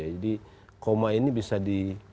jadi koma ini bisa di